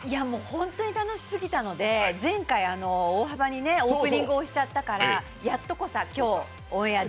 本当に楽しすぎたので前回大幅にオープニング押しちゃったから、やっとこさということで。